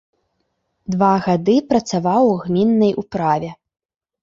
Два гады працаваў у гміннай управе.